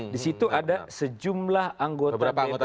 di situ ada sejumlah anggota bpn